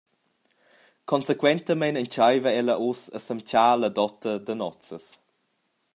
Consequentamein entscheiva ella ussa a semtgar la dota da nozzas.